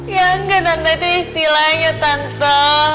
ya enggak tante itu istilahnya tante